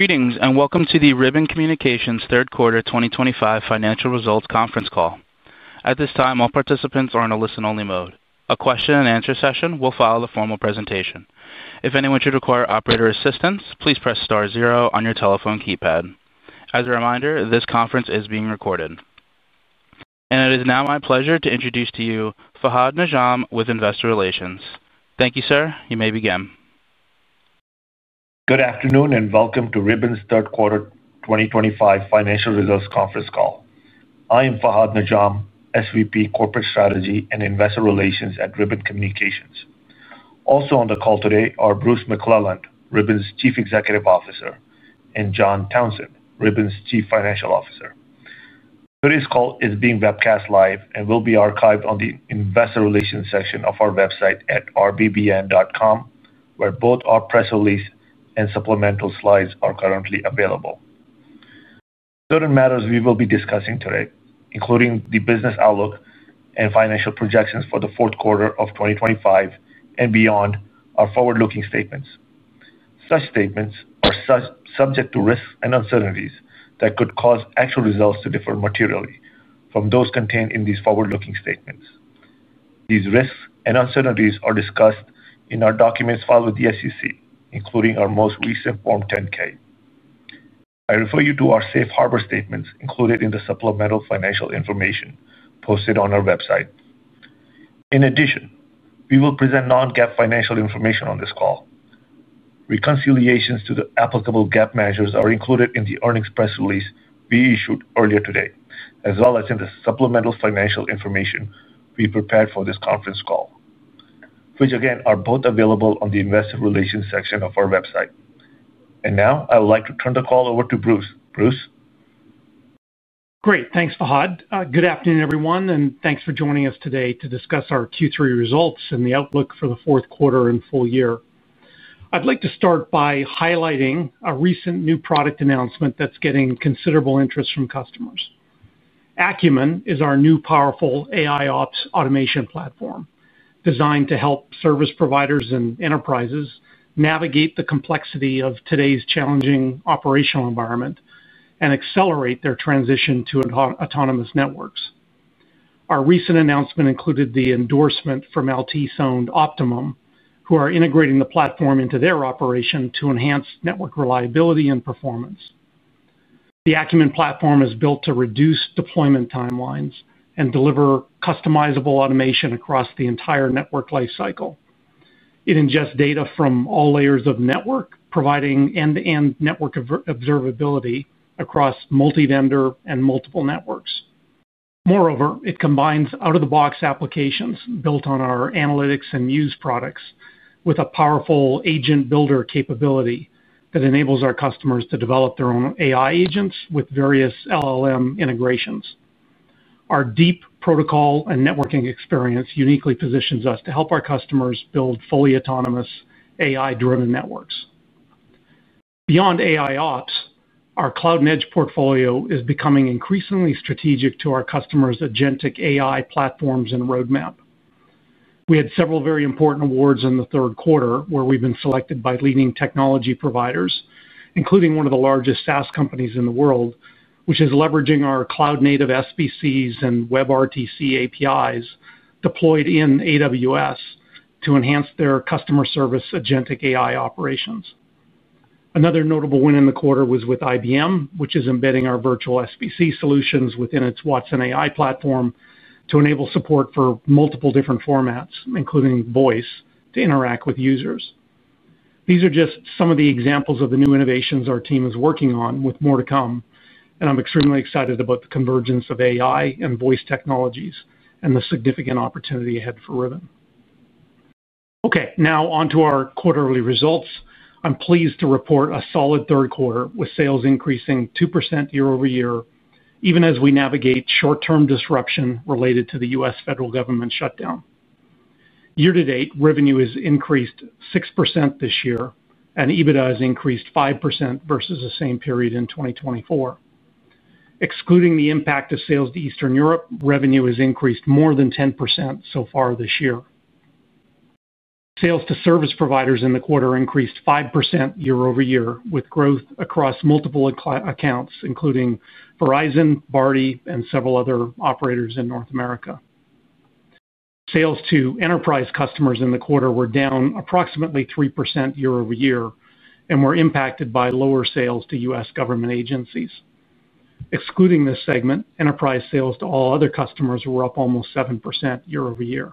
Greetings, and welcome to the Ribbon Communications Third Quarter 2025 Financial Results Conference Call. At this time, all participants are in a listen-only mode. A question and answer session will follow the formal presentation. If anyone should require operator assistance, please press star zero on your telephone keypad. As a reminder, this conference is being recorded. It is now my pleasure to introduce to you Fahad Najam with Investor Relations. Thank you, sir. You may begin. Good afternoon, and welcome to Ribbon's Third Quarter 2025 Financial Results Conference Call. I am Fahad Najam, SVP Corporate Strategy and Investor Relations at Ribbon Communications. Also on the call today are Bruce McClelland, Ribbon's Chief Executive Officer, and John Townsend, Ribbon's Chief Financial Officer. Today's call is being webcast live and will be archived on the Investor Relations section of our website at rbbn.com, where both our press release and supplemental slides are currently available. Certain matters we will be discussing today, including the business outlook and financial projections for the fourth quarter of 2025 and beyond, are forward-looking statements. Such statements are subject to risks and uncertainties that could cause actual results to differ materially from those contained in these forward-looking statements. These risks and uncertainties are discussed in our documents filed with the SEC, including our most recent Form 10-K. I refer you to our Safe Harbor statements included in the supplemental financial information posted on our website. In addition, we will present non-GAAP financial information on this call. Reconciliations to the applicable GAAP measures are included in the earnings press release we issued earlier today, as well as in the supplemental financial information we prepared for this conference call, which again are both available on the Investor Relations section of our website. I would like to turn the call over to Bruce. Bruce? Great, thanks, Fahad. Good afternoon, everyone, and thanks for joining us today to discuss our Q3 results and the outlook for the fourth quarter and full year. I'd like to start by highlighting a recent new product announcement that's getting considerable interest from customers. Acumen is our new powerful AI ops automation platform designed to help service providers and enterprises navigate the complexity of today's challenging operational environment and accelerate their transition to autonomous networks. Our recent announcement included the endorsement from Optimum, who are integrating the platform into their operation to enhance network reliability and performance. The Acumen platform is built to reduce deployment timelines and deliver customizable automation across the entire network lifecycle. It ingests data from all layers of network, providing end-to-end network observability across multi-vendor and multiple networks. Moreover, it combines out-of-the-box applications built on our analytics and news products with a powerful agent builder capability that enables our customers to develop their own AI agents with various LLM integrations. Our deep protocol and networking experience uniquely positions us to help our customers build fully autonomous AI-driven networks. Beyond AI ops, our Cloud and Edge portfolio is becoming increasingly strategic to our customers' agentic AI platforms and roadmap. We had several very important awards in the third quarter where we've been selected by leading technology providers, including one of the largest SaaS companies in the world, which is leveraging our cloud-native SBCs and WebRTC APIs deployed in AWS to enhance their customer service agentic AI operations. Another notable win in the quarter was with IBM, which is embedding our virtual SBC solutions within its Watson AI platform to enable support for multiple different formats, including voice, to interact with users. These are just some of the examples of the new innovations our team is working on, with more to come. I'm extremely excited about the convergence of AI and voice technologies and the significant opportunity ahead for Ribbon. Okay, now on to our quarterly results. I'm pleased to report a solid third quarter with sales increasing 2% year-over-year, even as we navigate short-term disruption related to the U.S. federal government shutdown. Year-to-date, revenue has increased 6% this year, and EBITDA has increased 5% versus the same period in 2024. Excluding the impact of sales to Eastern Europe, revenue has increased more than 10% so far this year. Sales to service providers in the quarter increased 5% year-over-year, with growth across multiple accounts, including Verizon, BARDI, and several other operators in North America. Sales to enterprise customers in the quarter were down approximately 3% year-over-year and were impacted by lower sales to U.S. government agencies. Excluding this segment, enterprise sales to all other customers were up almost 7% year-over-year.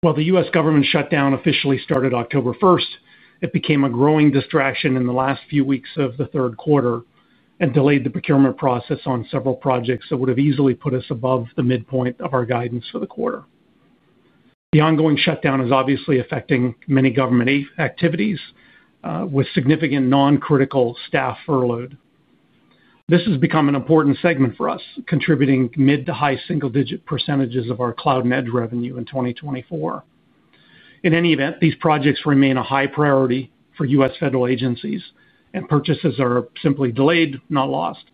While the U.S. government shutdown officially started October 1st, it became a growing distraction in the last few weeks of the third quarter and delayed the procurement process on several projects that would have easily put us above the midpoint of our guidance for the quarter. The ongoing shutdown is obviously affecting many government activities, with significant non-critical staff furloughed. This has become an important segment for us, contributing mid to high single-digit percentages of our Cloud and Edge revenue in 2024. In any event, these projects remain a high priority for U.S. federal agencies, and purchases are simply delayed, not lost.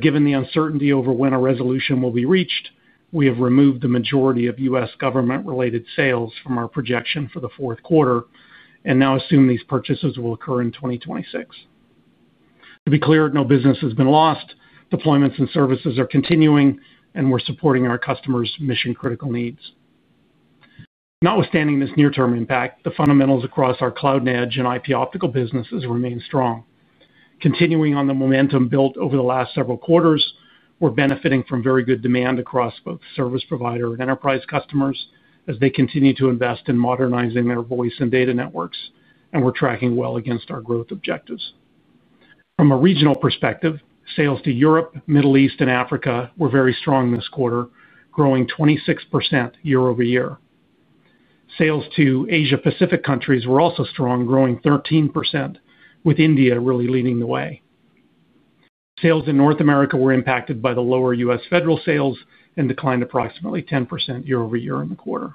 Given the uncertainty over when a resolution will be reached, we have removed the majority of U.S. government-related sales from our projection for the fourth quarter and now assume these purchases will occur in 2026. To be clear, no business has been lost. Deployments and services are continuing, and we're supporting our customers' mission-critical needs. Notwithstanding this near-term impact, the fundamentals across our Cloud and Edge and IP Optical Networks businesses remain strong. Continuing on the momentum built over the last several quarters, we're benefiting from very good demand across both service provider and enterprise customers as they continue to invest in modernizing their voice and data networks, and we're tracking well against our growth objectives. From a regional perspective, sales to Europe, Middle East, and Africa were very strong this quarter, growing 26% year-over-year. Sales to Asia-Pacific countries were also strong, growing 13%, with India really leading the way. Sales in North America were impacted by the lower U.S. federal sales and declined approximately 10% year-over-year in the quarter.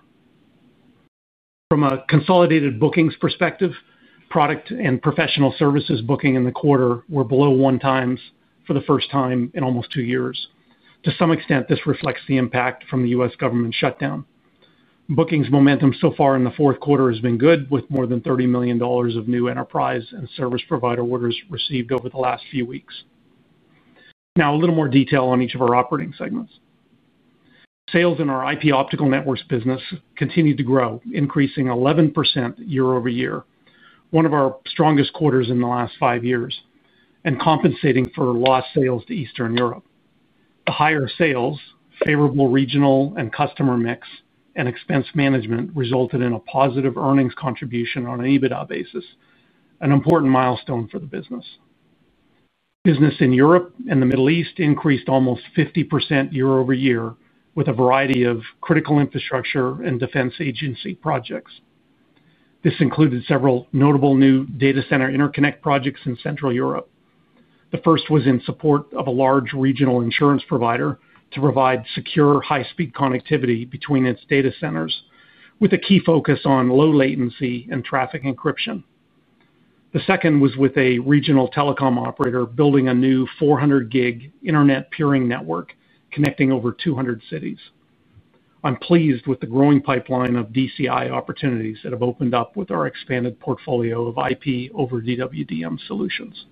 From a consolidated bookings perspective, product and professional services booking in the quarter were below 1x for the first time in almost two years. To some extent, this reflects the impact from the U.S. government shutdown. Bookings momentum so far in the fourth quarter has been good, with more than $30 million of new enterprise and service provider orders received over the last few weeks. Now, a little more detail on each of our operating segments. Sales in our IP Optical Networks business continue to grow, increasing 11% year-over-year, one of our strongest quarters in the last five years, and compensating for lost sales to Eastern Europe. The higher sales, favorable regional and customer mix, and expense management resulted in a positive earnings contribution on an EBITDA basis, an important milestone for the business. Business in Europe and the Middle East increased almost 50% year-over-year with a variety of critical infrastructure and defense agency projects. This included several notable new data center interconnect projects in Central Europe. The first was in support of a large regional insurance provider to provide secure high-speed connectivity between its data centers, with a key focus on low latency and traffic encryption. The second was with a regional telecom operator building a new 400-gig internet peering network connecting over 200 cities. I'm pleased with the growing pipeline of DCI opportunities that have opened up with our expanded portfolio of IP over DWDM solutions.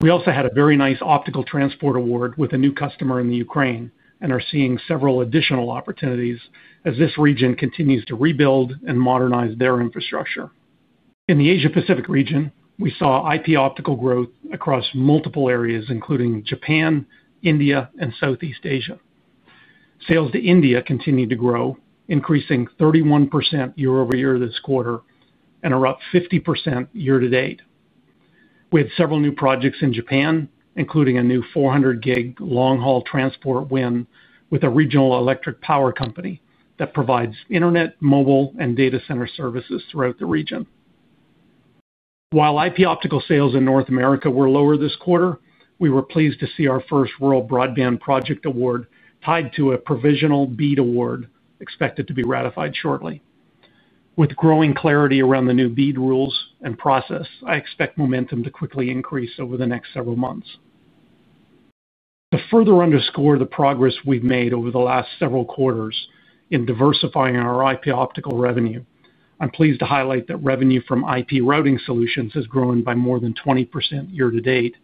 We also had a very nice Optical Transport award with a new customer in the Ukraine and are seeing several additional opportunities as this region continues to rebuild and modernize their infrastructure. In the Asia-Pacific region, we saw IP Optical growth across multiple areas, including Japan, India, and Southeast Asia. Sales to India continue to grow, increasing 31% year-over-year this quarter and are up 50% year-to-date. We had several new projects in Japan, including a new 400-gig long-haul transport win with a regional electric power company that provides internet, mobile, and data center services throughout the region. While IP Optical sales in North America were lower this quarter, we were pleased to see our first World Broadband Project Award tied to a provisional BEAD award expected to be ratified shortly. With growing clarity around the new BEAD rules and process, I expect momentum to quickly increase over the next several months. To further underscore the progress we've made over the last several quarters in diversifying our IP Optical revenue, I'm pleased to highlight that revenue from IP Routing Solutions has grown by more than 20% year-to-date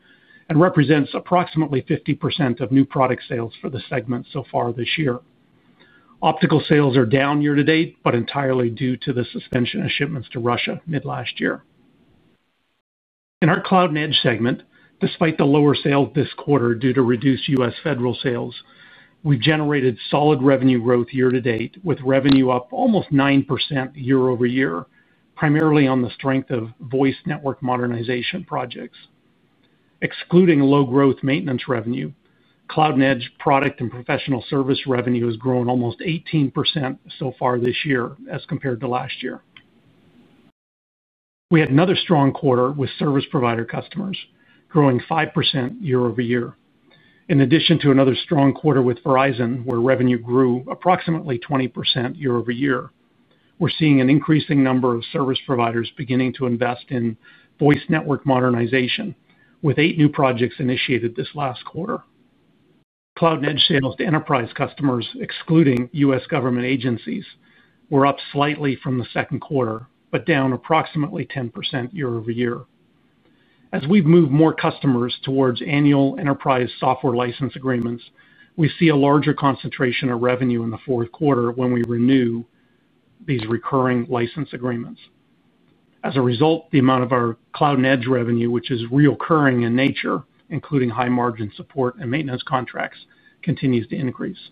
and represents approximately 50% of new product sales for the segment so far this year. Optical sales are down year-to-date, but entirely due to the suspension of shipments to Russia mid-last year. In our Cloud and Edge segment, despite the lower sales this quarter due to reduced U.S. federal sales, we've generated solid revenue growth year-to-date with revenue up almost 9% year-over-year, primarily on the strength of voice network modernization projects. Excluding low-growth maintenance revenue, Cloud and Edge product and professional service revenue has grown almost 18% so far this year as compared to last year. We had another strong quarter with service provider customers, growing 5% year-over-year. In addition to another strong quarter with Verizon, where revenue grew approximately 20% year-over-year, we're seeing an increasing number of service providers beginning to invest in voice network modernization, with eight new projects initiated this last quarter. Cloud and Edge sales to enterprise customers, excluding U.S. government agencies, were up slightly from the second quarter, but down approximately 10% year-over-year. As we've moved more customers towards annual enterprise software license agreements, we see a larger concentration of revenue in the fourth quarter when we renew these recurring license agreements. As a result, the amount of our Cloud and Edge revenue, which is recurring in nature, including high margin support and maintenance contracts, continues to increase.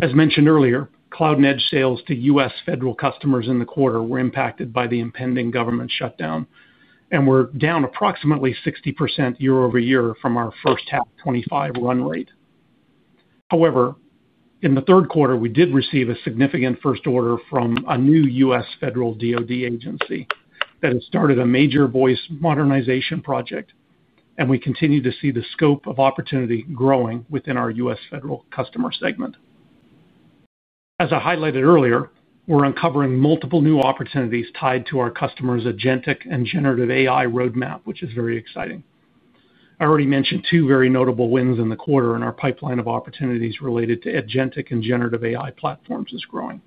As mentioned earlier, Cloud and Edge sales to U.S. federal customers in the quarter were impacted by the impending government shutdown and were down approximately 60% year-over-year from our first half 2025 run rate. However, in the third quarter, we did receive a significant first order from a new U.S. federal DOD agency that has started a major voice modernization project, and we continue to see the scope of opportunity growing within our U.S. federal customer segment. As I highlighted earlier, we're uncovering multiple new opportunities tied to our customers' agentic and generative AI roadmap, which is very exciting. I already mentioned two very notable wins in the quarter, and our pipeline of opportunities related to agentic and generative AI platforms is growing.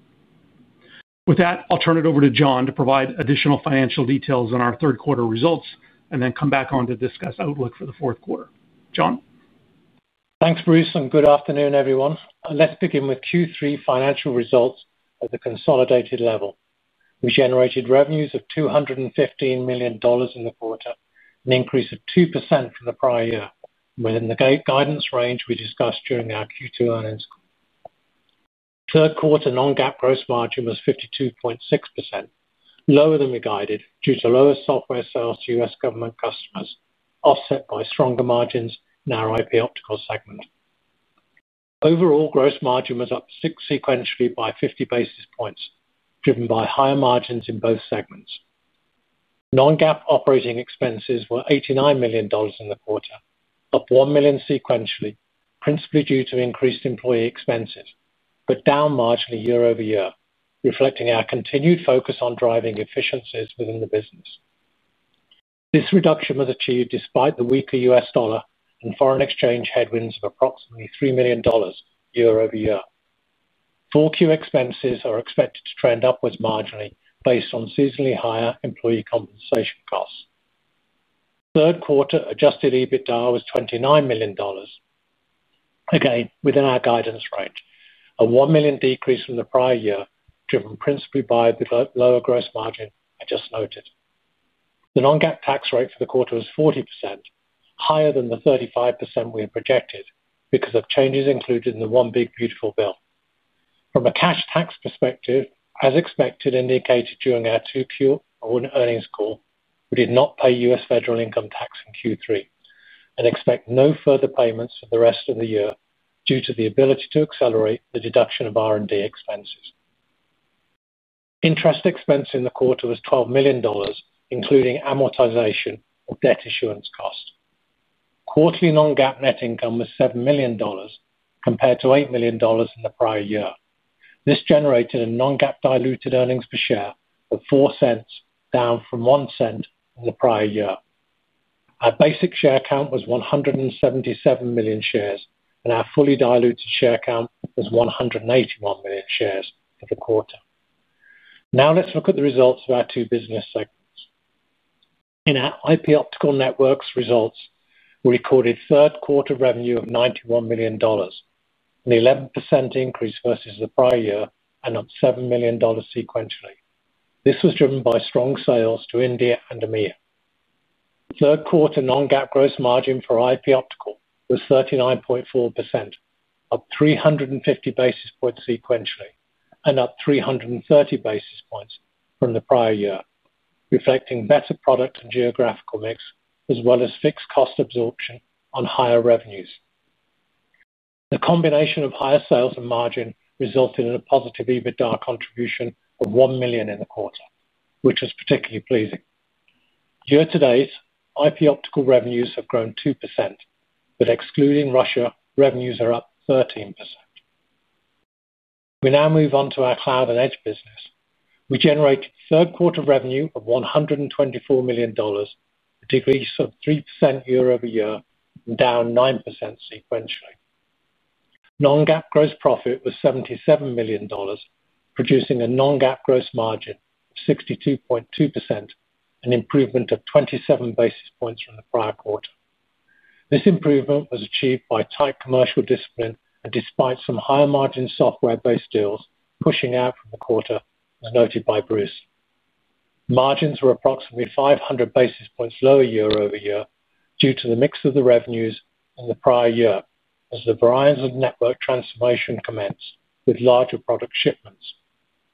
With that, I'll turn it over to John to provide additional financial details on our third quarter results, and then come back on to discuss outlook for the fourth quarter. John? Thanks, Bruce, and good afternoon, everyone. Let's begin with Q3 financial results at the consolidated level. We generated revenues of $215 million in the quarter, an increase of 2% from the prior year, within the guidance range we discussed during our Q2 earnings call. Third quarter non-GAAP gross margin was 52.6%, lower than we guided due to lower software sales to U.S. government customers, offset by stronger margins in our IP Optical segment. Overall gross margin was up sequentially by 50 basis points, driven by higher margins in both segments. Non-GAAP operating expenses were $89 million in the quarter, up $1 million sequentially, principally due to increased employee expenses, but down marginally year-over-year, reflecting our continued focus on driving efficiencies within the business. This reduction was achieved despite the weaker U.S. dollar and foreign exchange headwinds of approximately $3 million year-over-year. 4Q expenses are expected to trend upwards marginally based on seasonally higher employee compensation costs. Third quarter adjusted EBITDA was $29 million, again within our guidance range, a $1 million decrease from the prior year, driven principally by the lower gross margin I just noted. The non-GAAP tax rate for the quarter was 40%, higher than the 35% we had projected because of changes included in the One Big Beautiful Bill. From a cash tax perspective, as expected and indicated during our Q2 earnings call, we did not pay U.S. federal income tax in Q3 and expect no further payments for the rest of the year due to the ability to accelerate the deduction of R&D expenses. Interest expense in the quarter was $12 million, including amortization of debt issuance cost. Quarterly non-GAAP net income was $7 million compared to $8 million in the prior year. This generated a non-GAAP diluted earnings per share of $0.04, down from $0.01 in the prior year. Our basic share count was 177 million shares, and our fully diluted share count was 181 million shares for the quarter. Now let's look at the results of our two business segments. In our IP Optical Networks results, we recorded third quarter revenue of $91 million, an 11% increase versus the prior year, and up $7 million sequentially. This was driven by strong sales to India and EMEA. Third quarter non-GAAP gross margin for IP Optical was 39.4%, up 350 basis points sequentially, and up 330 basis points from the prior year, reflecting better product and geographical mix, as well as fixed cost absorption on higher revenues. The combination of higher sales and margin resulted in a positive EBITDA contribution of $1 million in the quarter, which was particularly pleasing. Year-to-date, IP Optical revenues have grown 2%, but excluding Russia, revenues are up 13%. We now move on to our Cloud and Edge business. We generated third quarter revenue of $124 million, a decrease of 3% year-over-year, and down 9% sequentially. Non-GAAP gross profit was $77 million, producing a non-GAAP gross margin of 62.2%, an improvement of 27 basis points from the prior quarter. This improvement was achieved by tight commercial discipline and despite some higher margin software-based deals pushing out from the quarter, as noted by Bruce. Margins were approximately 500 basis points lower year-over-year due to the mix of the revenues in the prior year as the Verizon network transformation commenced with larger product shipments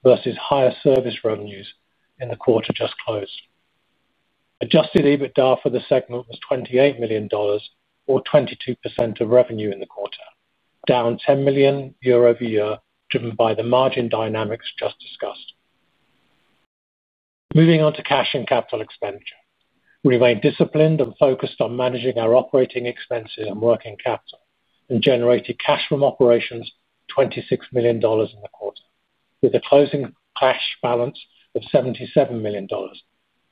versus higher service revenues in the quarter just closed. Adjusted EBITDA for the segment was $28 million, or 22% of revenue in the quarter, down $10 million year-over-year, driven by the margin dynamics just discussed. Moving on to cash and capital expenditure, we remain disciplined and focused on managing our operating expenses and working capital and generated cash from operations of $26 million in the quarter, with a closing cash balance of $77 million,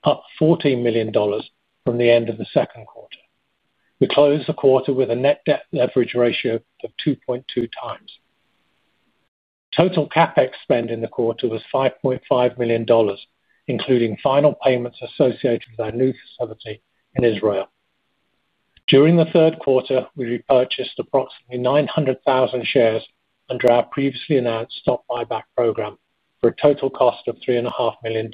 up $14 million from the end of the second quarter. We closed the quarter with a net debt leverage ratio of 2.2x. Total CapEx spend in the quarter was $5.5 million, including final payments associated with our new facility in Israel. During the third quarter, we repurchased approximately 900,000 shares under our previously announced stock buyback program for a total cost of $3.5 million.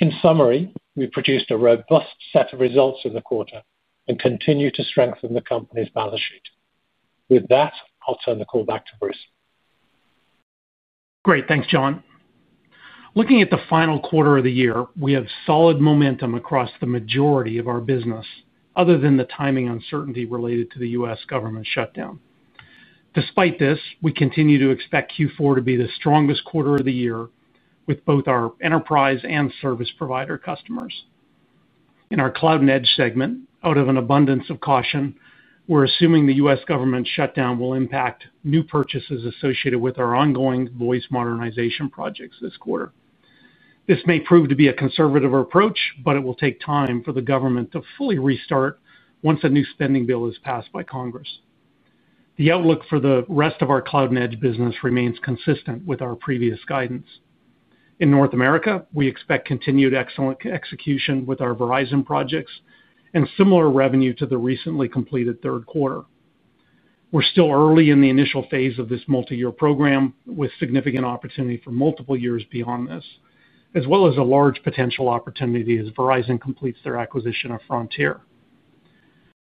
In summary, we produced a robust set of results in the quarter and continue to strengthen the company's balance sheet. With that, I'll turn the call back to Bruce. Great, thanks, John. Looking at the final quarter of the year, we have solid momentum across the majority of our business, other than the timing uncertainty related to the U.S. government shutdown. Despite this, we continue to expect Q4 to be the strongest quarter of the year with both our enterprise and service provider customers. In our Cloud and Edge segment, out of an abundance of caution, we're assuming the U.S. government shutdown will impact new purchases associated with our ongoing voice modernization projects this quarter. This may prove to be a conservative approach, but it will take time for the government to fully restart once a new spending bill is passed by Congress. The outlook for the rest of our Cloud and Edge business remains consistent with our previous guidance. In North America, we expect continued excellent execution with our Verizon projects and similar revenue to the recently completed third quarter. We're still early in the initial phase of this multi-year program, with significant opportunity for multiple years beyond this, as well as a large potential opportunity as Verizon completes their acquisition of Frontier.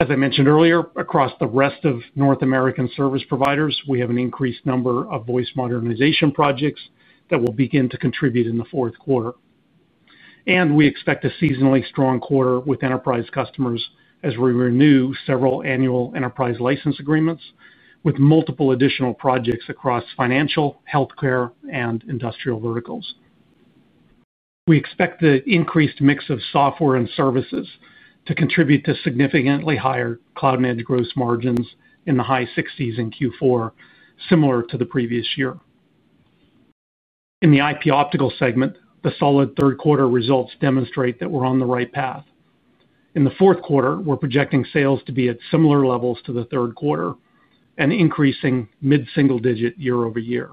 As I mentioned earlier, across the rest of North American service providers, we have an increased number of voice modernization projects that will begin to contribute in the fourth quarter. We expect a seasonally strong quarter with enterprise customers as we renew several annual enterprise license agreements with multiple additional projects across financial, healthcare, and industrial verticals. We expect the increased mix of software and services to contribute to significantly higher Cloud and Edge gross margins in the high 60s in Q4, similar to the previous year. In the IP Optical Networks segment, the solid third quarter results demonstrate that we're on the right path. In the fourth quarter, we're projecting sales to be at similar levels to the third quarter and increasing mid-single digit year-over-year.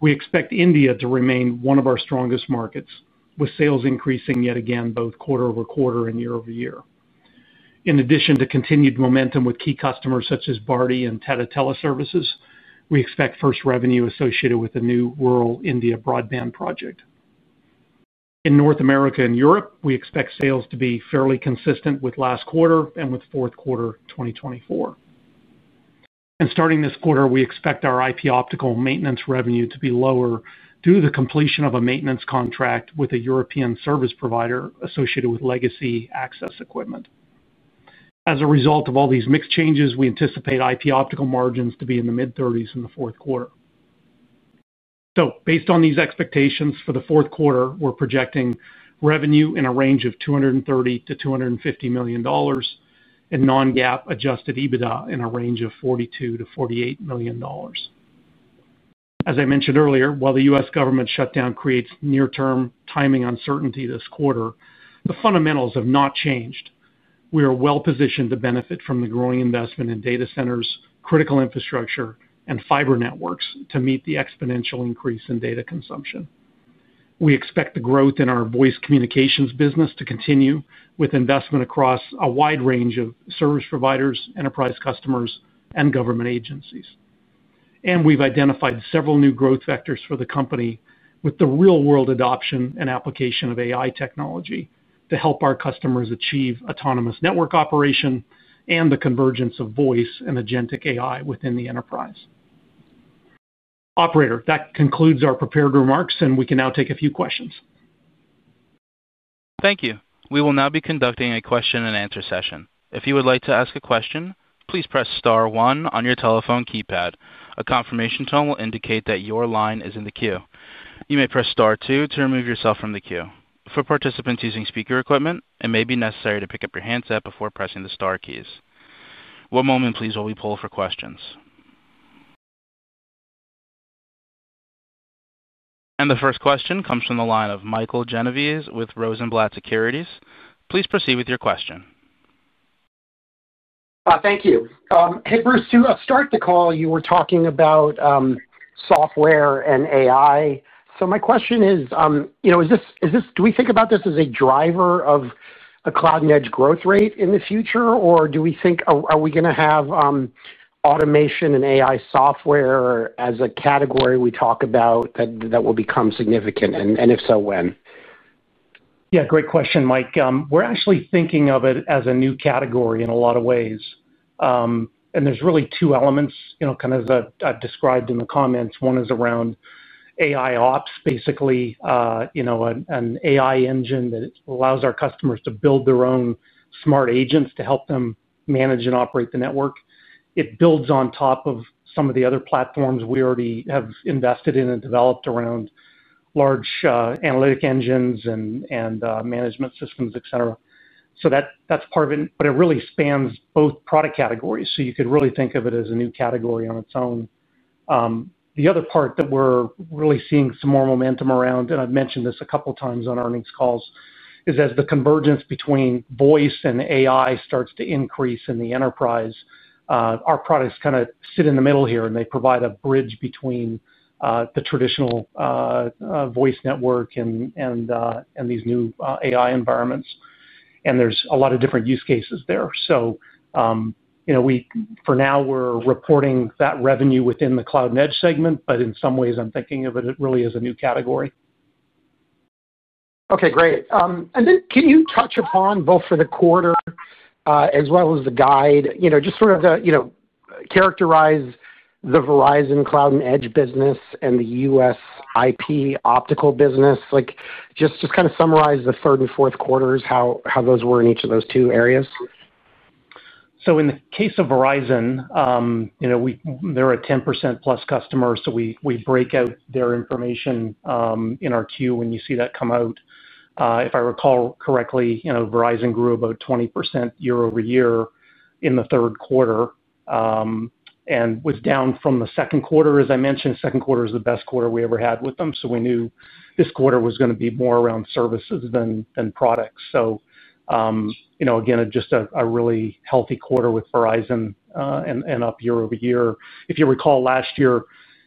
We expect India to remain one of our strongest markets, with sales increasing yet again both quarter-over-quarter and year-over-year. In addition to continued momentum with key customers such as BARDI and Tata Teleservices, we expect first revenue associated with the new rural India broadband project. In North America and Europe, we expect sales to be fairly consistent with last quarter and with fourth quarter 2024. Starting this quarter, we expect our IP Optical maintenance revenue to be lower due to the completion of a maintenance contract with a European service provider associated with legacy access equipment. As a result of all these mixed changes, we anticipate IP Optical margins to be in the mid-30s in the fourth quarter. Based on these expectations for the fourth quarter, we're projecting revenue in a range of $230 million-$250 million and non-GAAP adjusted EBITDA in a range of $42 million-$48 million. As I mentioned earlier, while the U.S. government shutdown creates near-term timing uncertainty this quarter, the fundamentals have not changed. We are well positioned to benefit from the growing investment in data centers, critical infrastructure, and fiber networks to meet the exponential increase in data consumption. We expect the growth in our voice communications business to continue with investment across a wide range of service providers, enterprise customers, and government agencies. We've identified several new growth vectors for the company with the real-world adoption and application of AI technology to help our customers achieve autonomous network operation and the convergence of voice and agentic AI within the enterprise. Operator, that concludes our prepared remarks, and we can now take a few questions. Thank you. We will now be conducting a question and answer session. If you would like to ask a question, please press star one on your telephone keypad. A confirmation tone will indicate that your line is in the queue. You may press star two to remove yourself from the queue. For participants using speaker equipment, it may be necessary to pick up your handset before pressing the star keys. One moment, please, while we pull for questions. The first question comes from the line of Michael Genovese with Rosenblatt Securities. Please proceed with your question. Thank you. Hey, Bruce, to start the call, you were talking about software and AI. My question is, do we think about this as a driver of a Cloud and Edge growth rate in the future, or do we think we are going to have automation and AI software as a category we talk about that will become significant, and if so, when? Yeah, great question, Mike. We're actually thinking of it as a new category in a lot of ways. There's really two elements, kind of as I described in the comments. One is around AI ops, basically, an AI engine that allows our customers to build their own smart agents to help them manage and operate the network. It builds on top of some of the other platforms we already have invested in and developed around large analytic engines and management systems, etc. That's part of it, but it really spans both product categories. You could really think of it as a new category on its own. The other part that we're really seeing some more momentum around, and I've mentioned this a couple of times on earnings calls, is as the convergence between voice and AI starts to increase in the enterprise, our products kind of sit in the middle here, and they provide a bridge between the traditional voice network and these new AI environments. There's a lot of different use cases there. For now, we're reporting that revenue within the Cloud and Edge segment, but in some ways, I'm thinking of it really as a new category. Okay, great. Can you touch upon both for the quarter as well as the guide, you know, just sort of to characterize the Verizon Cloud and Edge business and the U.S. IP Optical Networks business? Just kind of summarize the third and fourth quarters, how those were in each of those two areas? In the case of Verizon, they're a 10%+ customer, so we break out their information in our queue when you see that come out. If I recall correctly, Verizon grew about 20% year-over-year in the third quarter and was down from the second quarter. As I mentioned, the second quarter is the best quarter we ever had with them. We knew this quarter was going to be more around services than products. Again, just a really healthy quarter with Verizon and up year-over-year. If you recall last year,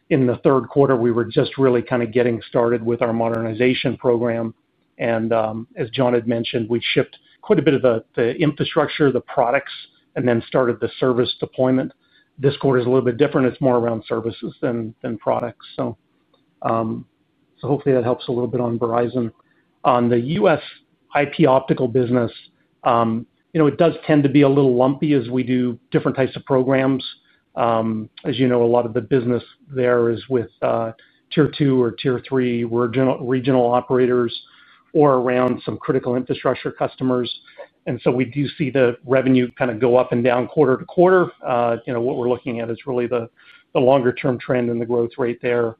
in the third quarter, we were just really kind of getting started with our modernization program. As John had mentioned, we shipped quite a bit of the infrastructure, the products, and then started the service deployment. This quarter is a little bit different. It's more around services than products. Hopefully that helps a little bit on Verizon. On the U.S. IP Optical business, it does tend to be a little lumpy as we do different types of programs. A lot of the business there is with Tier 2 or Tier 3 regional operators or around some critical infrastructure customers. We do see the revenue kind of go up and down quarter to quarter. What we're looking at is really the longer-term trend in the growth rate there.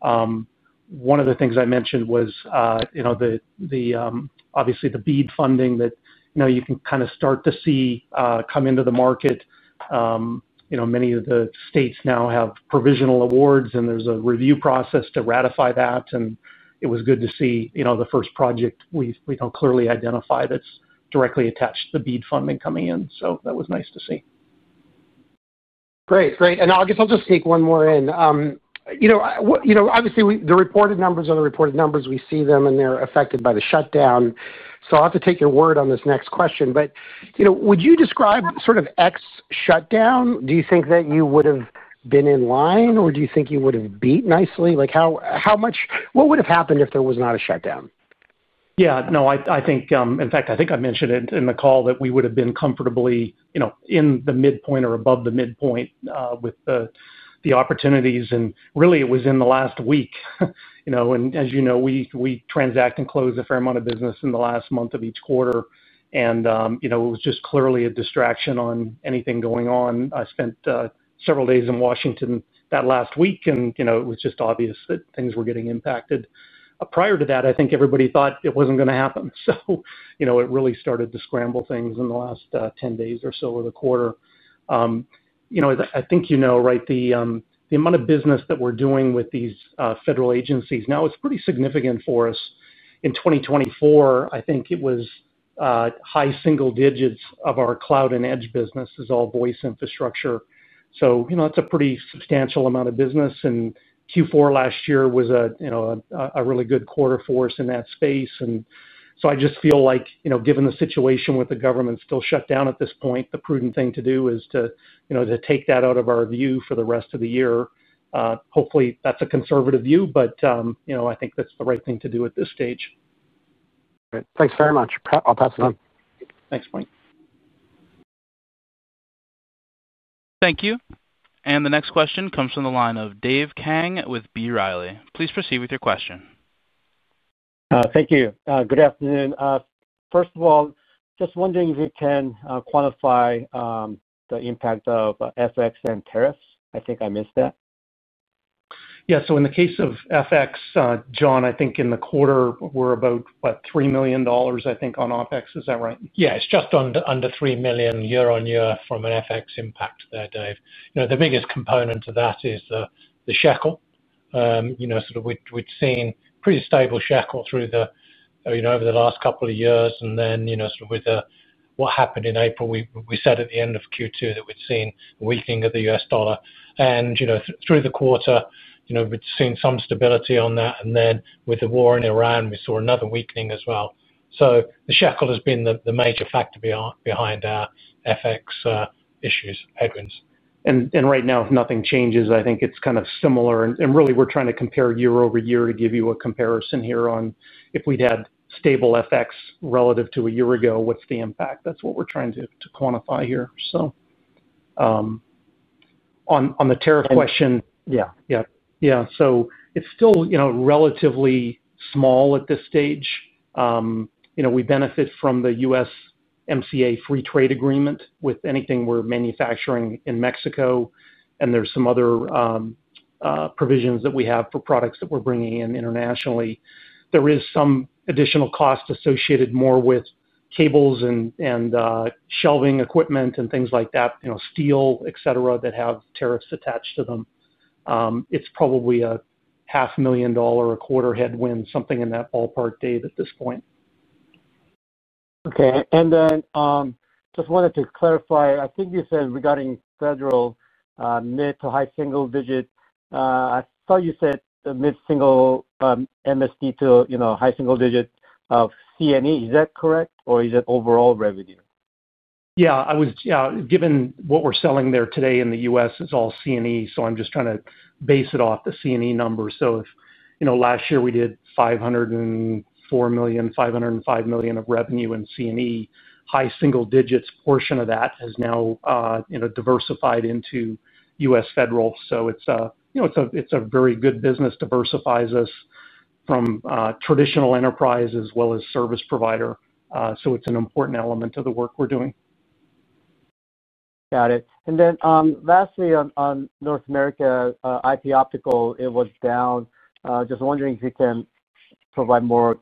One of the things I mentioned was the BEAD funding that you can kind of start to see come into the market. Many of the states now have provisional awards, and there's a review process to ratify that. It was good to see the first project we clearly identify that's directly attached to the BEAD funding coming in. That was nice to see. Great, great. I'll just take one more in. Obviously, the reported numbers are the reported numbers. We see them, and they're affected by the shutdown. I'll have to take your word on this next question. Would you describe sort of ex-shutdown? Do you think that you would have been in line, or do you think you would have beat nicely? How much, what would have happened if there was not a shutdown? Yeah, no, I think, in fact, I think I mentioned it in the call that we would have been comfortably, you know, in the midpoint or above the midpoint with the opportunities. It was in the last week. You know, as you know, we transact and close a fair amount of business in the last month of each quarter. It was just clearly a distraction on anything going on. I spent several days in Washington that last week, and it was just obvious that things were getting impacted. Prior to that, I think everybody thought it wasn't going to happen. It really started to scramble things in the last 10 days or so of the quarter. I think you know, right, the amount of business that we're doing with these federal agencies now is pretty significant for us. In 2024, I think it was high single digits of our Cloud and Edge business is all voice infrastructure. That's a pretty substantial amount of business. Q4 last year was a really good quarter for us in that space. I just feel like, given the situation with the government still shut down at this point, the prudent thing to do is to take that out of our view for the rest of the year. Hopefully, that's a conservative view, but I think that's the right thing to do at this stage. Thanks very much. I'll pass it on. Thanks, Mike. Thank you. The next question comes from the line of Dave Kang with B. Riley. Please proceed with your question. Thank you. Good afternoon. First of all, just wondering if you can quantify the impact of FX and tariffs. I think I missed that. Yeah, in the case of FX, John, I think in the quarter we're about $3 million, I think, on OpEx. Is that right? Yeah, it's just under $3 million year-on-year from an FX impact there, Dave. The biggest component to that is the shekel. We've seen pretty stable shekel through the, you know, over the last couple of years. With what happened in April, we said at the end of Q2 that we'd seen a weakening of the U.S. dollar. Through the quarter, we'd seen some stability on that. With the war in Iran, we saw another weakening as well. The shekel has been the major factor behind our FX issues headwinds. Right now, if nothing changes, I think it's kind of similar. We're trying to compare year-over-year to give you a comparison here on if we'd had stable FX relative to a year ago, what's the impact. That's what we're trying to quantify here. On the tariff question, it's still relatively small at this stage. We benefit from the USMCA free trade agreement with anything we're manufacturing in Mexico. There are some other provisions that we have for products that we're bringing in internationally. There is some additional cost associated more with cables and shelving equipment and things like that, steel, et cetera, that have tariffs attached to them. It's probably a $0.5 million a quarter headwind, something in that ballpark, Dave, at this point. Okay, and then just wanted to clarify, I think you said regarding federal mid to high single digit, I thought you said the mid-single MSD to, you know, high single digit of C&E. Is that correct, or is it overall revenue? Given what we're selling there today in the U.S., it's all C&E. I'm just trying to base it off the C&E number. If last year we did $504 million, $505 million of revenue in C&E, high single digits portion of that has now diversified into U.S. federal. It's a very good business, diversifies us from traditional enterprise as well as service provider. It's an important element of the work we're doing. Got it. Lastly, on North America, IP Optical, it was down. Just wondering if you can provide more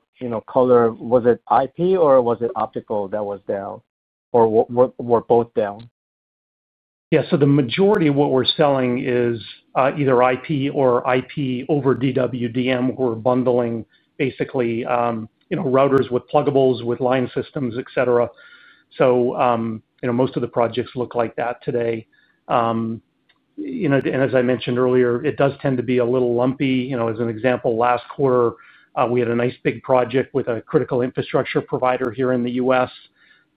color. Was it IP or was it Optical that was down, or were both down? Yeah, so the majority of what we're selling is either IP or IP over DWDM. We're bundling basically, you know, routers with plugables, with line systems, et cetera. Most of the projects look like that today. As I mentioned earlier, it does tend to be a little lumpy. As an example, last quarter, we had a nice big project with a critical infrastructure provider here in the U.S.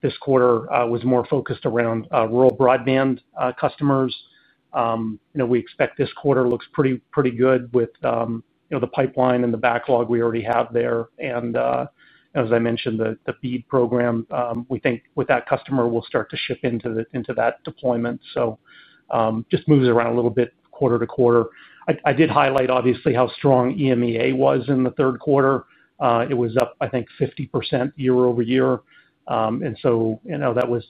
This quarter was more focused around rural broadband customers. We expect this quarter looks pretty good with the pipeline and the backlog we already have there. As I mentioned, the BEAD program, we think with that customer, we'll start to ship into that deployment. It just moves around a little bit quarter to quarter. I did highlight, obviously, how strong EMEA was in the third quarter. It was up, I think, 50% year-over-year. That was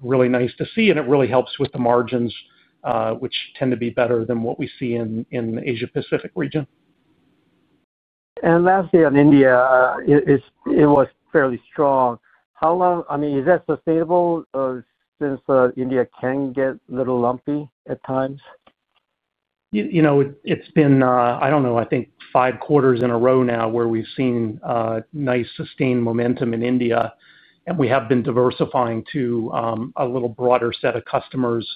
really nice to see, and it really helps with the margins, which tend to be better than what we see in the Asia-Pacific region. Lastly, on India, it was fairly strong. How long, I mean, is that sustainable since India can get a little lumpy at times? You know, it's been, I don't know, I think five quarters in a row now where we've seen nice sustained momentum in India. We have been diversifying to a little broader set of customers.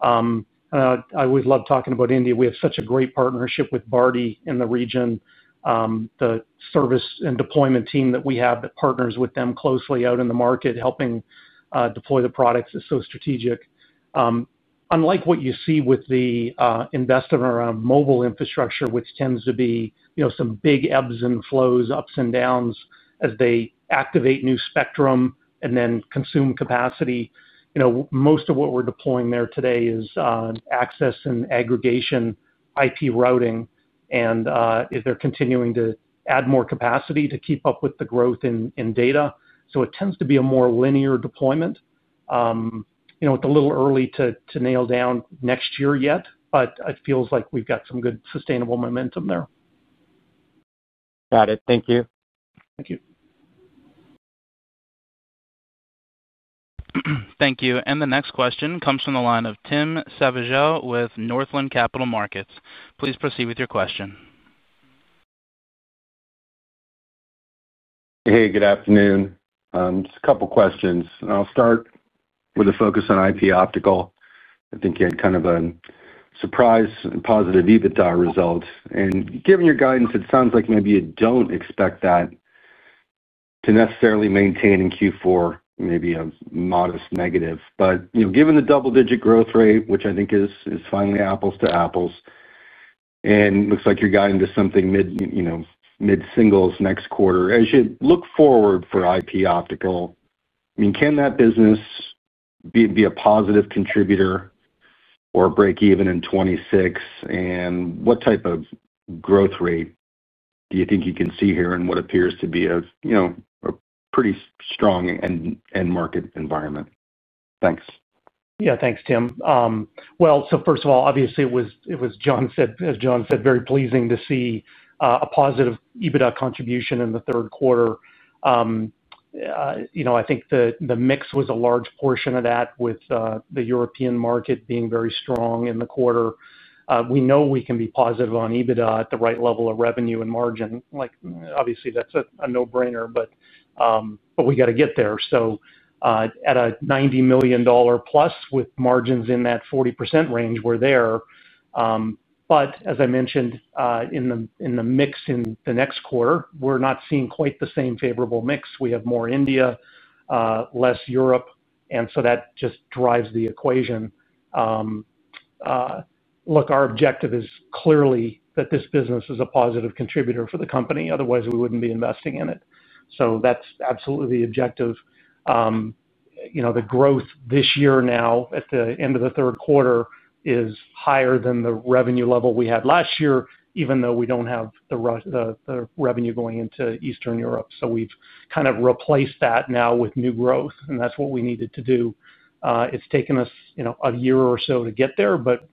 I always love talking about India. We have such a great partnership with BARDI in the region. The service and deployment team that we have that partners with them closely out in the market, helping deploy the products, is so strategic. Unlike what you see with the investment around mobile infrastructure, which tends to be some big ebbs and flows, ups and downs as they activate new spectrum and then consume capacity. Most of what we're deploying there today is access and aggregation IP routing, and they're continuing to add more capacity to keep up with the growth in data. It tends to be a more linear deployment. It's a little early to nail down next year yet, but it feels like we've got some good sustainable momentum there. Got it. Thank you. Thank you. Thank you. The next question comes from the line of Tim Savageaux with Northland Capital Markets. Please proceed with your question. Hey, good afternoon. Just a couple of questions. I'll start with a focus on IP Optical. I think you had kind of a surprise and positive EBITDA result. Given your guidance, it sounds like maybe you don't expect that to necessarily maintain in Q4, maybe a modest negative. Given the double-digit growth rate, which I think is finally apples to apples, and it looks like you're guiding to something mid, you know, mid-singles next quarter, as you look forward for IP Optical, I mean, can that business be a positive contributor or break even in 2026? What type of growth rate do you think you can see here in what appears to be a pretty strong end-market environment? Thanks. Yeah, thanks, Tim. First of all, obviously, it was, as John said, very pleasing to see a positive EBITDA contribution in the third quarter. I think the mix was a large portion of that with the European market being very strong in the quarter. We know we can be positive on EBITDA at the right level of revenue and margin. Obviously, that's a no-brainer, but we got to get there. At a $90+ million with margins in that 40% range, we're there. As I mentioned, in the mix in the next quarter, we're not seeing quite the same favorable mix. We have more India, less Europe, and that just drives the equation. Look, our objective is clearly that this business is a positive contributor for the company. Otherwise, we wouldn't be investing in it. That's absolutely the objective. The growth this year now at the end of the third quarter is higher than the revenue level we had last year, even though we don't have the revenue going into Eastern Europe. We've kind of replaced that now with new growth, and that's what we needed to do. It's taken us a year or so to get there, but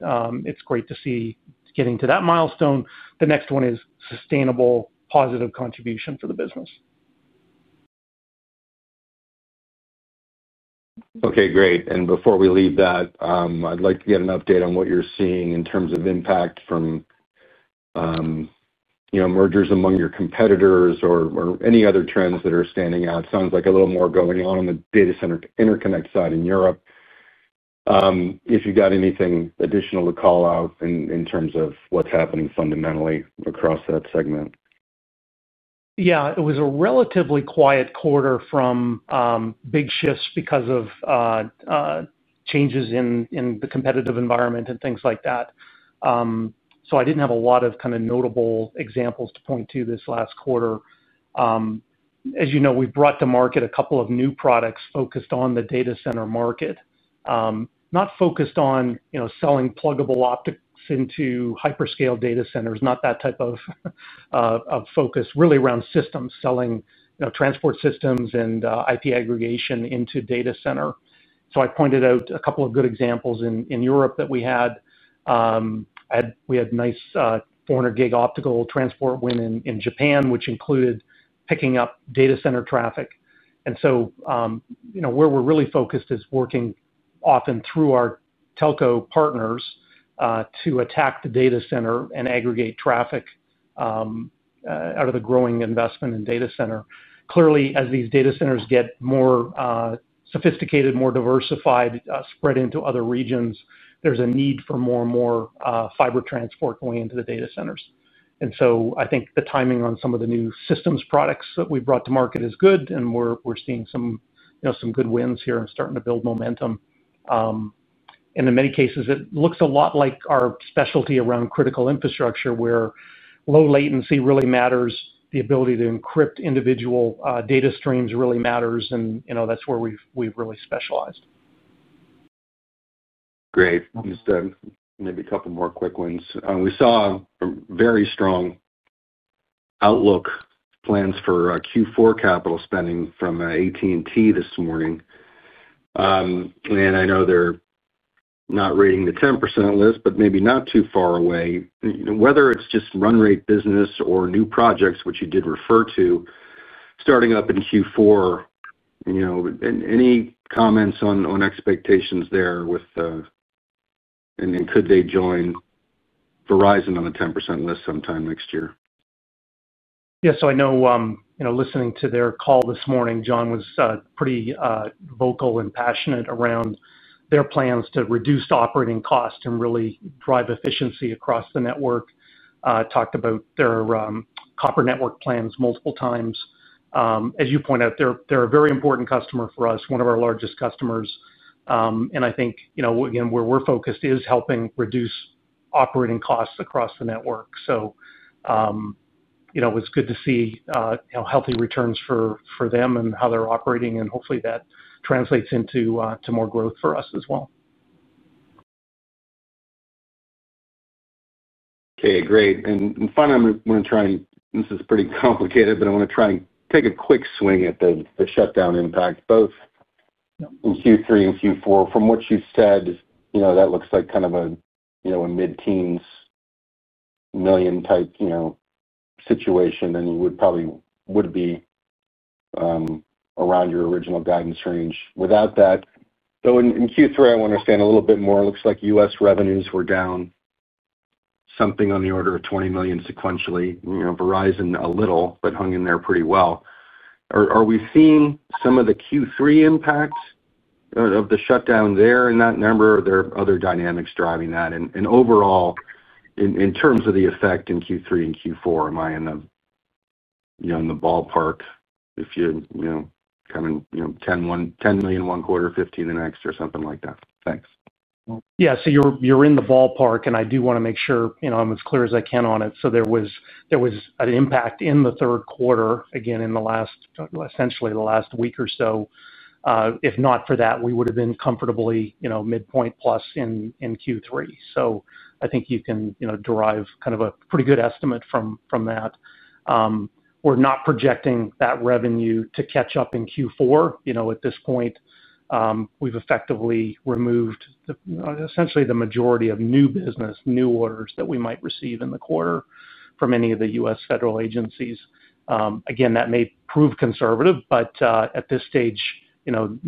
it's great to see getting to that milestone. The next one is sustainable, positive contribution for the business. Okay, great. Before we leave that, I'd like to get an update on what you're seeing in terms of impact from mergers among your competitors or any other trends that are standing out. It sounds like a little more going on on the data center interconnect side in Europe. If you've got anything additional to call out in terms of what's happening fundamentally across that segment. Yeah, it was a relatively quiet quarter from big shifts because of changes in the competitive environment and things like that. I didn't have a lot of kind of notable examples to point to this last quarter. As you know, we brought to market a couple of new products focused on the data center market. Not focused on, you know, selling pluggable optics into hyperscale data centers, not that type of focus, really around systems, selling, you know, transport systems and IP aggregation into data center. I pointed out a couple of good examples in Europe that we had. We had a nice 400-gig optical transport win in Japan, which included picking up data center traffic. Where we're really focused is working often through our telco partners to attack the data center and aggregate traffic out of the growing investment in data center. Clearly, as these data centers get more sophisticated, more diversified, spread into other regions, there's a need for more and more fiber transport going into the data centers. I think the timing on some of the new systems products that we brought to market is good, and we're seeing some, you know, some good wins here and starting to build momentum. In many cases, it looks a lot like our specialty around critical infrastructure where low latency really matters, the ability to encrypt individual data streams really matters, and you know, that's where we've really specialized. Great. Just maybe a couple more quick ones. We saw a very strong outlook plans for Q4 capital spending from AT&T this morning. I know they're not rating the 10% list, but maybe not too far away. Whether it's just run rate business or new projects, which you did refer to starting up in Q4, any comments on expectations there with, and could they join Verizon on the 10% list sometime next year? Yeah, I know, listening to their call this morning, John was pretty vocal and passionate around their plans to reduce operating costs and really drive efficiency across the network. They talked about their copper network plans multiple times. As you point out, they're a very important customer for us, one of our largest customers. I think where we're focused is helping reduce operating costs across the network. It was good to see healthy returns for them and how they're operating, and hopefully that translates into more growth for us as well. Okay, great. Finally, I'm going to try and, this is pretty complicated, but I want to try and take a quick swing at the shutdown impact, both in Q3 and Q4. From what you said, that looks like kind of a mid-teens million type situation, and you would probably be around your original guidance range without that. In Q3, I want to understand a little bit more. It looks like U.S. revenues were down something on the order of $20 million sequentially. Verizon a little, but hung in there pretty well. Are we seeing some of the Q3 impacts of the shutdown there in that number, or are there other dynamics driving that? Overall, in terms of the effect in Q3 and Q4, am I in the ballpark if you're kind of $10 million one quarter, $15 million the next, or something like that? Thanks. Yeah, you're in the ballpark, and I do want to make sure I'm as clear as I can on it. There was an impact in the third quarter, again, in the last, essentially the last week or so. If not for that, we would have been comfortably midpoint plus in Q3. I think you can derive kind of a pretty good estimate from that. We're not projecting that revenue to catch up in Q4 at this point. We've effectively removed essentially the majority of new business, new orders that we might receive in the quarter from any of the U.S. federal agencies. That may prove conservative, but at this stage,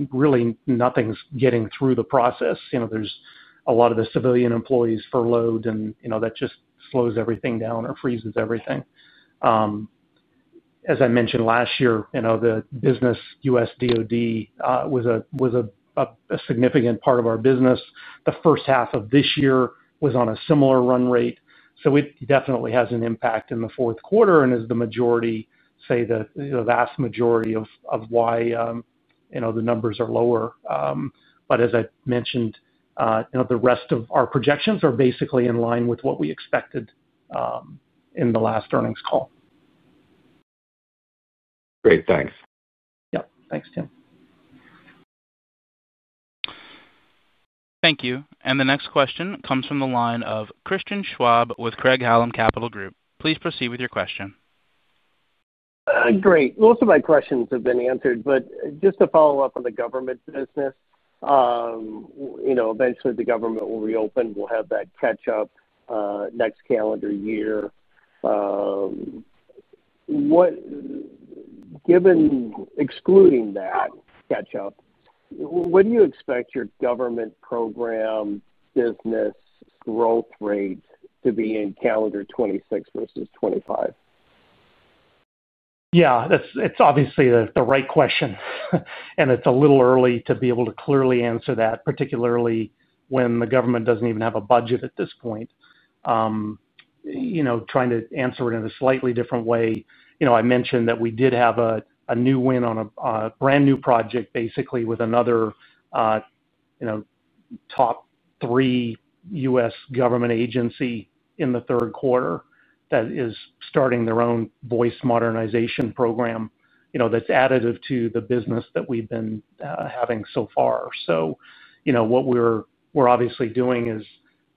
really nothing's getting through the process. There's a lot of the civilian employees furloughed, and that just slows everything down or freezes everything. As I mentioned last year, the U.S. DOD was a significant part of our business. The first half of this year was on a similar run rate. It definitely has an impact in the fourth quarter and is the majority, say, the vast majority of why the numbers are lower. As I mentioned, the rest of our projections are basically in line with what we expected in the last earnings call. Great, thanks. Yep, thanks, Tim. Thank you. The next question comes from the line of Christian Schwab with Craig-Hallum Capital Group. Please proceed with your question. Great. Most of my questions have been answered, but just to follow up on the government business, you know, eventually the government will reopen. We'll have that catch-up next calendar year. Given excluding that catch-up, what do you expect your government program business growth rate to be in calendar 2026 versus 2025? Yeah, it's obviously the right question, and it's a little early to be able to clearly answer that, particularly when the government doesn't even have a budget at this point. Trying to answer it in a slightly different way, I mentioned that we did have a new win on a brand new project with another top three U.S. government agency in the third quarter that is starting their own voice modernization program. That's additive to the business that we've been having so far. What we're obviously doing is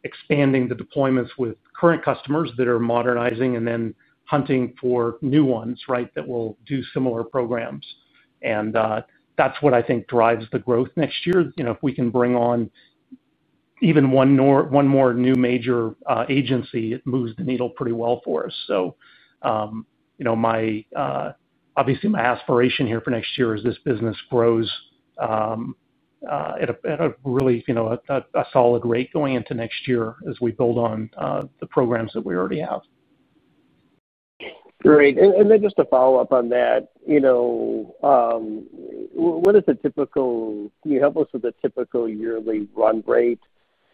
expanding the deployments with current customers that are modernizing and then hunting for new ones that will do similar programs. That's what I think drives the growth next year. If we can bring on even one more new major agency, it moves the needle pretty well for us. My aspiration here for next year is this business grows at a really solid rate going into next year as we build on the programs that we already have. Great. Just to follow up on that, what is a typical, can you help us with a typical yearly run rate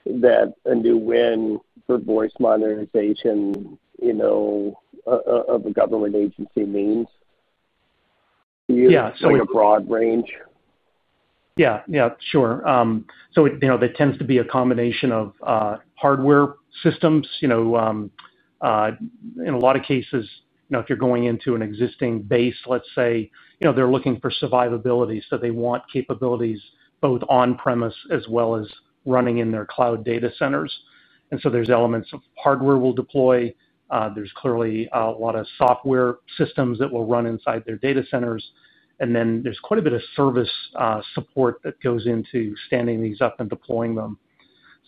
that a new win for voice modernization of a government agency means? Yeah, so we. Maybe a broad range. Yeah, sure. That tends to be a combination of hardware systems. In a lot of cases, if you're going into an existing base, let's say they're looking for survivability, so they want capabilities both on-premise as well as running in their cloud data centers. There are elements of hardware we'll deploy. There's clearly a lot of software systems that will run inside their data centers, and then there's quite a bit of service support that goes into standing these up and deploying them.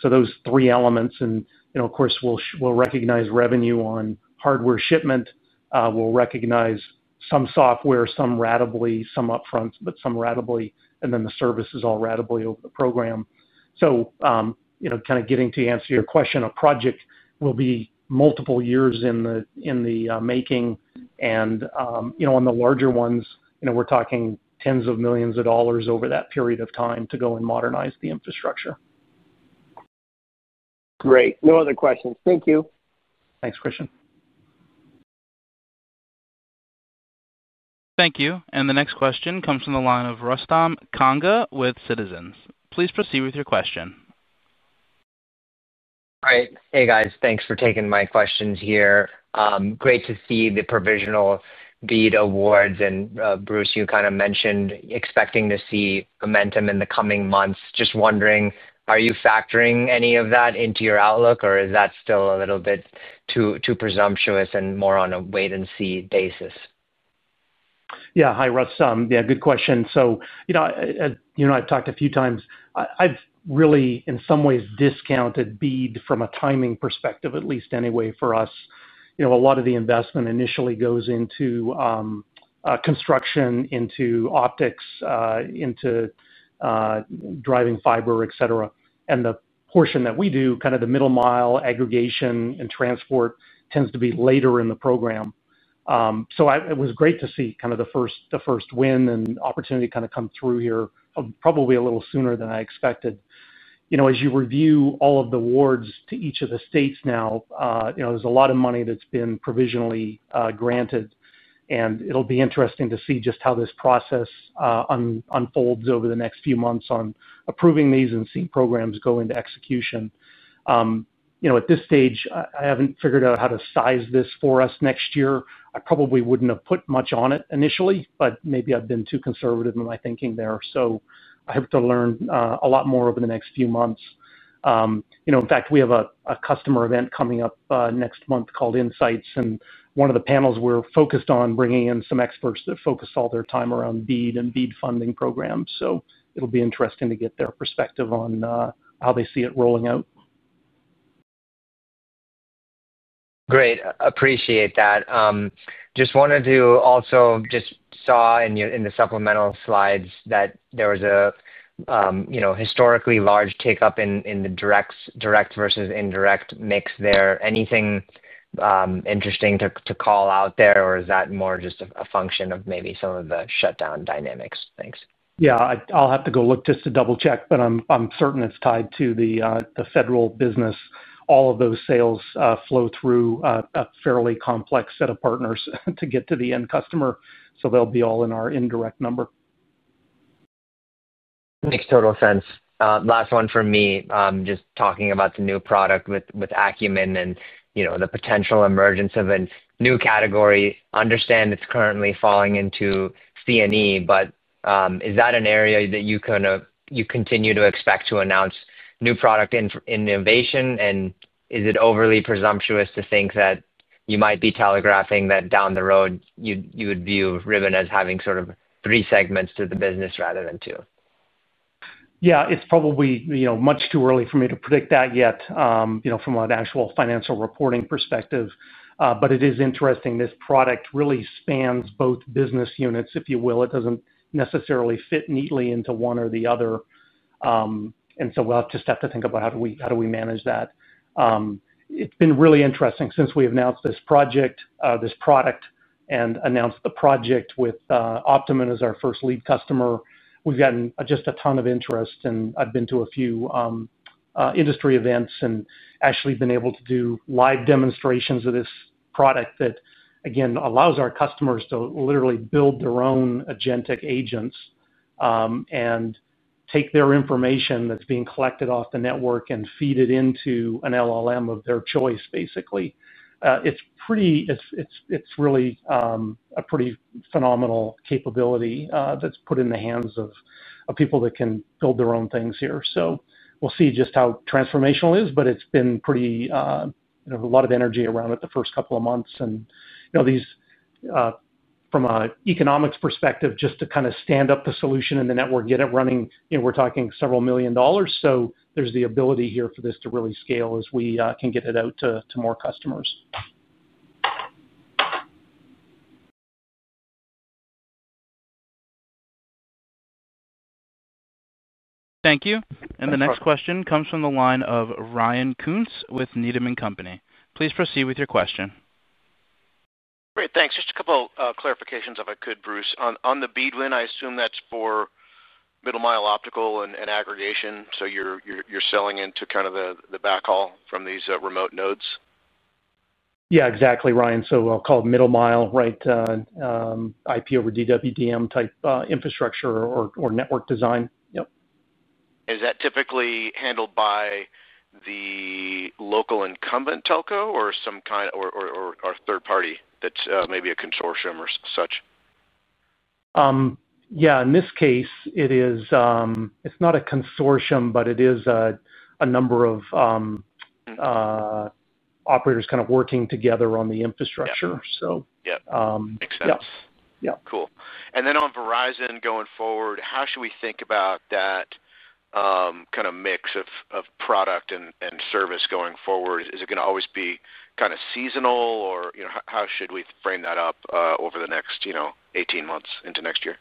Those three elements, and of course, we'll recognize revenue on hardware shipment. We'll recognize some software, some ratably, some upfront, but some ratably, and then the service is all ratably over the program. Kind of getting to answer your question, a project will be multiple years in the making. On the larger ones, we're talking tens of millions of dollars over that period of time to go and modernize the infrastructure. Great. No other questions. Thank you. Thanks, Christian. Thank you. The next question comes from the line of Rustam Kanga with Citizens. Please proceed with your question. All right. Hey guys, thanks for taking my questions here. Great to see the provisional BEAD awards. Bruce, you kind of mentioned expecting to see momentum in the coming months. Just wondering, are you factoring any of that into your outlook, or is that still a little bit too presumptuous and more on a wait-and-see basis? Yeah, hi Rustam. Good question. You and I have talked a few times. I've really, in some ways, discounted BEAD from a timing perspective, at least anyway for us. A lot of the investment initially goes into construction, into optics, into driving fiber, et cetera. The portion that we do, kind of the middle mile aggregation and transport, tends to be later in the program. It was great to see kind of the first win and opportunity to come through here, probably a little sooner than I expected. As you review all of the awards to each of the states now, there's a lot of money that's been provisionally granted. It'll be interesting to see just how this process unfolds over the next few months on approving these and seeing programs go into execution. At this stage, I haven't figured out how to size this for us next year. I probably wouldn't have put much on it initially, but maybe I've been too conservative in my thinking there. I hope to learn a lot more over the next few months. In fact, we have a customer event coming up next month called Insights. One of the panels we're focused on is bringing in some experts that focus all their time around BEAD and BEAD funding programs. It'll be interesting to get their perspective on how they see it rolling out. Great, appreciate that. Just wanted to also saw in the supplemental slides that there was a, you know, historically large takeup in the direct versus indirect mix there. Anything interesting to call out there, or is that more just a function of maybe some of the shutdown dynamics? Thanks. I'll have to go look just to double check, but I'm certain it's tied to the federal business. All of those sales flow through a fairly complex set of partners to get to the end customer. They'll be all in our indirect number. Makes total sense. Last one from me, just talking about the new product with Acumen and, you know, the potential emergence of a new category. I understand it's currently falling into C&E, but is that an area that you continue to expect to announce new product innovation? Is it overly presumptuous to think that you might be telegraphing that down the road you would view Ribbon as having sort of three segments to the business rather than two? Yeah, it's probably, you know, much too early for me to predict that yet, you know, from an actual financial reporting perspective. It is interesting, this product really spans both business units, if you will. It doesn't necessarily fit neatly into one or the other, so we'll have to step to think about how do we manage that. It's been really interesting since we announced this product and announced the project with Optimum as our first lead customer. We've gotten just a ton of interest, and I've been to a few industry events and actually been able to do live demonstrations of this product that, again, allows our customers to literally build their own agentic agents and take their information that's being collected off the network and feed it into an LLM of their choice, basically. It's really a pretty phenomenal capability that's put in the hands of people that can build their own things here. We'll see just how transformational it is, but it's been pretty, you know, a lot of energy around it the first couple of months. You know, from an economics perspective, just to kind of stand up the solution in the network, get it running, you know, we're talking several million dollars. There's the ability here for this to really scale as we can get it out to more customers. Thank you. The next question comes from the line of Ryan Koontz with Needham & Company. Please proceed with your question. Great, thanks. Just a couple clarifications, if I could, Bruce. On the BEAD win, I assume that's for middle mile optical and aggregation. You're selling into kind of the backhaul from these remote nodes? Yeah, exactly, Ryan. I'll call it middle mile, right, IP over DWDM type infrastructure or network design. Yep. Is that typically handled by the local incumbent telco or some kind of third party that's maybe a consortium or such? Yeah, in this case, it's not a consortium, but it is a number of operators kind of working together on the infrastructure. Yeah, makes sense. Yep. Cool. On Verizon going forward, how should we think about that kind of mix of product and service going forward? Is it going to always be kind of seasonal, or how should we frame that up over the next 18 months into next year?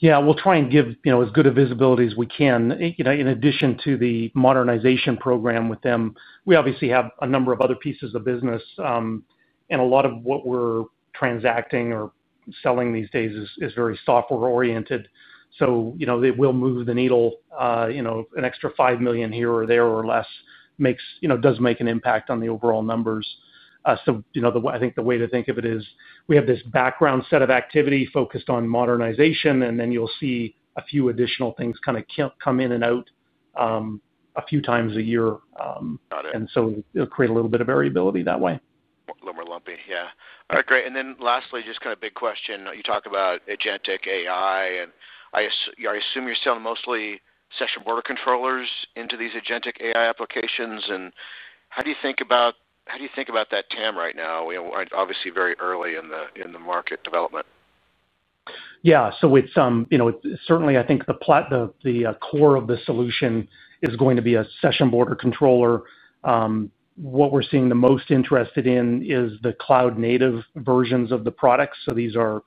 Yeah, we'll try and give as good a visibility as we can. In addition to the modernization program with them, we obviously have a number of other pieces of business. A lot of what we're transacting or selling these days is very software-oriented. They will move the needle, you know, an extra $5 million here or there or less does make an impact on the overall numbers. I think the way to think of it is we have this background set of activity focused on modernization, and then you'll see a few additional things kind of come in and out a few times a year. It'll create a little bit of variability that way. A little more lumpy, yeah. All right, great. Lastly, just kind of a big question. You talk about agentic AI, and I assume you're selling mostly session border controllers into these agentic AI applications. How do you think about that, Tim, right now? We're obviously very early in the market development. Yeah, certainly I think the core of the solution is going to be a session border controller. What we're seeing the most interest in is the cloud-native versions of the products. These are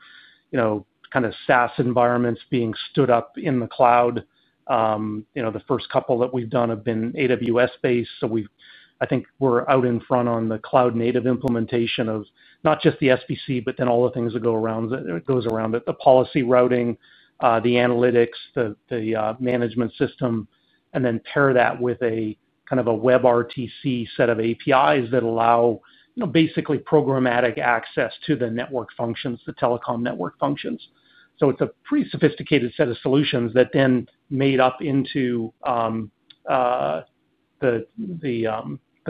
kind of SaaS environments being stood up in the cloud. The first couple that we've done have been AWS-based. I think we're out in front on the cloud-native implementation of not just the SBC, but then all the things that go around it, the policy routing, the analytics, the management system, and then pair that with a kind of a WebRTC set of APIs that allow basically programmatic access to the network functions, the telecom network functions. It's a pretty sophisticated set of solutions that then made up into the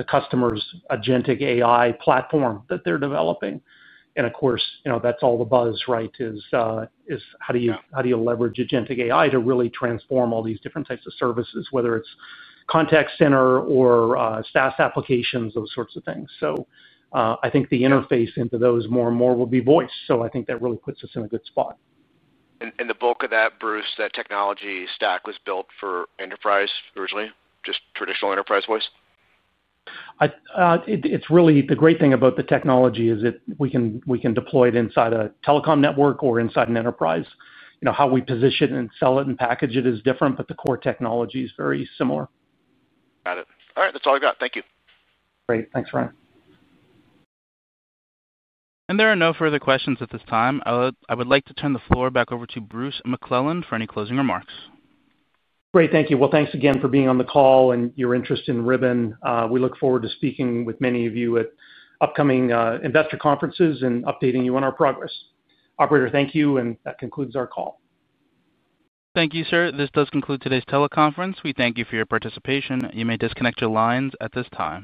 customer's agentic AI platform that they're developing. Of course, that's all the buzz, right, is how do you leverage agentic AI to really transform all these different types of services, whether it's contact center or SaaS applications, those sorts of things. I think the interface into those more and more will be voice. I think that really puts us in a good spot. The bulk of that, Bruce, that technology stack was built for enterprise originally? Just traditional enterprise voice? The great thing about the technology is that we can deploy it inside a telecom network or inside an enterprise. How we position it and sell it and package it is different, but the core technology is very similar. Got it. All right, that's all I've got. Thank you. Great, thanks, Ryan. There are no further questions at this time. I would like to turn the floor back over to Bruce McClelland for any closing remarks. Great, thank you. Thank you again for being on the call and your interest in Ribbon. We look forward to speaking with many of you at upcoming investor conferences and updating you on our progress. Operator, thank you, and that concludes our call. Thank you, sir. This does conclude today's teleconference. We thank you for your participation. You may disconnect your lines at this time.